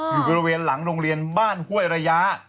อยู่บริเวณหลังโรงเรียนบ้านห้วยระยะ